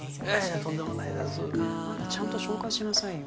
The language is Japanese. アンタちゃんと紹介しなさいよ